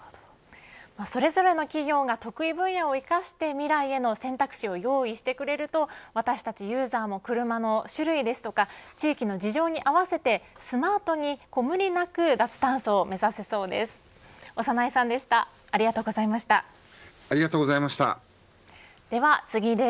それぞれの企業が得意分野を生かして未来への選択肢を用意してくれると私たちユーザーも車の種類ですとか地域の事情に合わせてスマートに、無理なく脱炭素を目指せそうです。